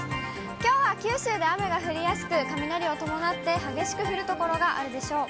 きょうは九州で雨が降りやすく、雷を伴って激しく降る所があるでしょう。